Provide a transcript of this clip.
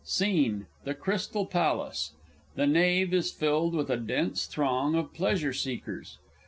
SCENE _The Crystal Palace. The Nave is filled with a dense throng of Pleasure seekers.